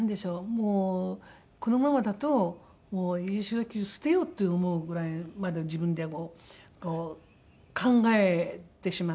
もうこのままだと八代亜紀を捨てようって思うぐらいまで自分でもこう考えてしまって。